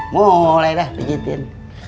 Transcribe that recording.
mulai dah bijetin